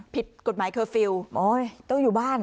ผิดกฎหมายเคอร์ฟิลล์ต้องอยู่บ้าน